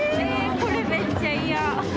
これ、めっちゃ嫌。